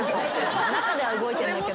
中では動いてんだけどね。